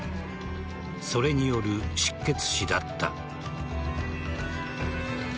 それによる失血死だった。